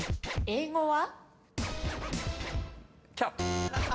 英語は？